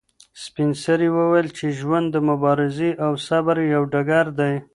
سپین سرې وویل چې ژوند د مبارزې او صبر یو ډګر دی.